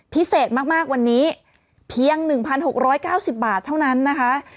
พิเศษมากวันนี้เพียง๑๖๙๐บาทเท่านั้นนะคะ